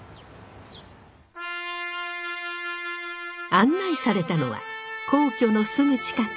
案内されたのは皇居のすぐ近く。